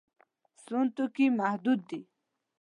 سون توکي محدود دي.